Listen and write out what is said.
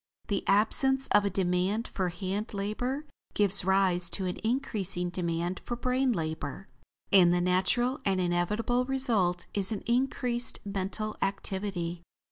The absence of a demand for hand labor gives rise to an increasing demand for brain labor, and the natural and inevitable result is an increased mental activity.